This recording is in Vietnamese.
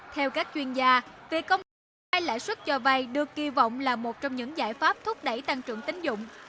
theo các chuyên gia về công ty lãi xuất cho vay được kỳ vọng là một trong những giải pháp thúc đẩy tăng trưởng tính dụng